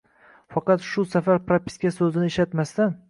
Faqat bu safar "propiska" so'zini ishlatmasdan